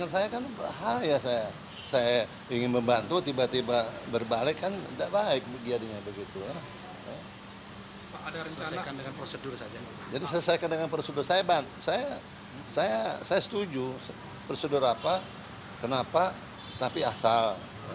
saya setuju prosedur apa kenapa tapi asal